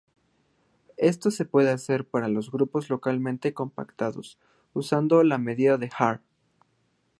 Esto se puede hacer para los grupos localmente compactos, usando la medida de Haar.